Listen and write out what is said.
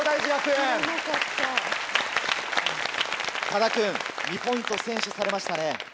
多田君２ポイント先取されましたね。